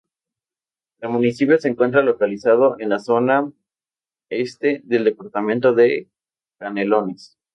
El municipio se encuentra localizado en la zona este del departamento de Canelones.